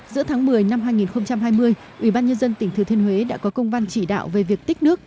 giữa tháng một mươi năm hai nghìn hai mươi ủy ban nhân dân tỉnh thừa thiên huế đã có công văn chỉ đạo về việc tích nước